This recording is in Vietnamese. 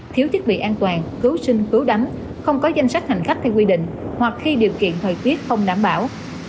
thiếu chức vị an toàn cứu sinh cứu đánh không có danh sách hành khách theo quy định hoặc khi điều kiện thời tiết không đảm bảo